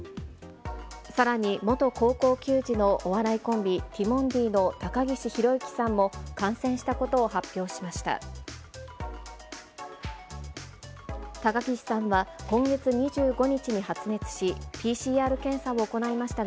さらに元高校球児のお笑いコンビ、ティモンディの高岸宏行さんも、感染したことを発表しました。